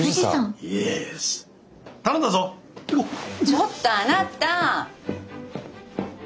ちょっとあなた！